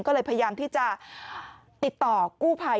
ก็เลยพยายามที่จะติดต่อกู้ภัย